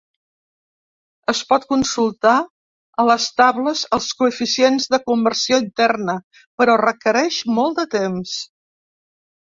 Es pot consultar a les tables els coeficients de conversió interna, però requereix molt de temps.